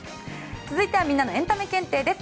続いてはみんなのエンタメ検定です。